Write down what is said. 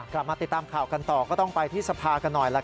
กลับมาติดตามข่าวกันต่อก็ต้องไปที่สภากันหน่อย